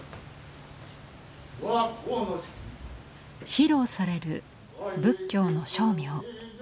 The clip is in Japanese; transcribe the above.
披露される仏教の声明。